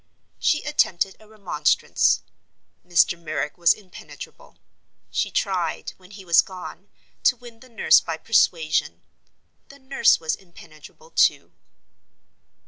She attempted a remonstrance—Mr. Merrick was impenetrable. She tried, when he was gone, to win the nurse by persuasion—the nurse was impenetrable, too.